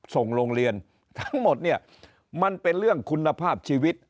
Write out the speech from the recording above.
ส่งโรงเรียนทั้งหมดเนี่ยมันเป็นเรื่องคุณภาพชีวิต